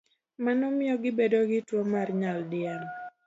Mano miyo gibedo gi tuwo mar nyaldiema.